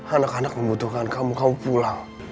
anak anak membutuhkan kamu kamu pulang